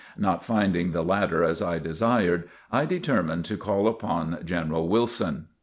Not finding the latter as I desired, I determined to call upon General Wilson.